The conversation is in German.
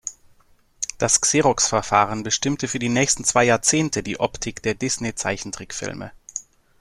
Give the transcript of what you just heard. Das Xerox-Verfahren bestimmte für die nächsten zwei Jahrzehnte die Optik der Disney-Zeichentrickfilme.